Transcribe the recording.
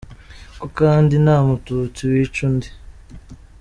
Ko kandi nta mututsi wica undi !!!